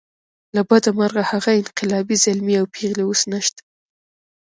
له بده مرغه هغه انقلابي زلمي او پېغلې اوس نشته.